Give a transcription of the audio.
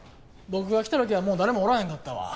僕が来た時はもう誰もおらへんかったわ。